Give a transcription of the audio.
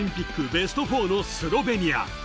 ベスト４のスロベニア。